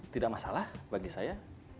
tidak masalah bagi saya